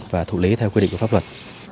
và thủ lý theo quy định của pháp luật